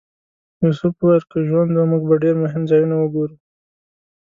یوسف وویل که ژوند و موږ به ډېر مهم ځایونه وګورو.